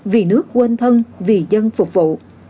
vì nước quên thân vì dân phục vụ